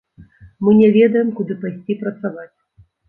Мы не ведаем, куды пайсці працаваць.